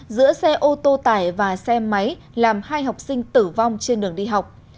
giữa xe ô tô tải và xe máy làm hai học sinh tử vong trên đường đi học